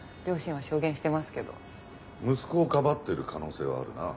息子をかばってる可能性はあるな。